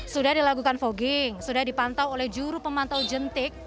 sudah dilakukan fogging sudah dipantau oleh juru pemantau jentik